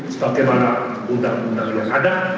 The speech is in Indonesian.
sebagaimana undang undang yang ada